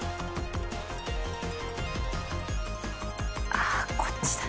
あぁこっちだ。